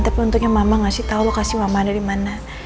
tapi untungnya mama ngasih tahu lokasi mama ada dimana